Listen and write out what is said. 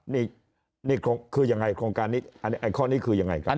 นี่คือยังไงข้อนี้คือยังไงครับ